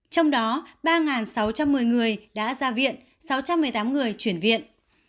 trong đó ba sáu trăm một mươi người đã ra viện sáu trăm một mươi tám người chuyển viện